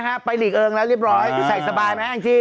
ไปหลีกเอิงแล้วเรียบร้อยใส่สบายไหมแองจี้